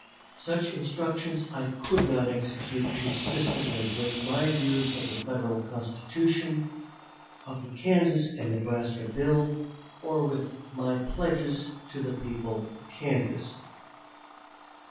Such instructions I could not execute consistently with my views of the Federal Constitution, of the Kansas and Nebraska bill, or with my pledges to the people of Kansas."